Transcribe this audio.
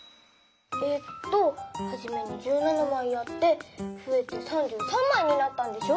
えっとはじめに１７まいあってふえて３３まいになったんでしょ。